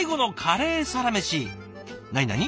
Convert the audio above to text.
なになに？